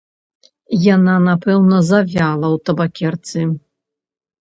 Яна напэўна завяла ў табакерцы.